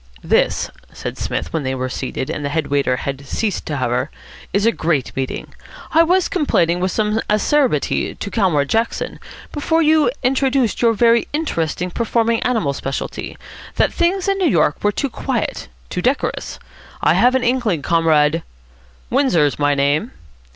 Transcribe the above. "This," said Psmith, when they were seated, and the head waiter had ceased to hover, "is a great meeting. I was complaining with some acerbity to Comrade Jackson, before you introduced your very interesting performing animal speciality, that things in New York were too quiet, too decorous. I have an inkling, Comrade " "Windsor's my name."